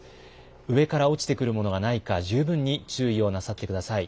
上から落ちてくるものがないか、十分に注意をなさってください。